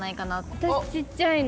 私ちっちゃいの。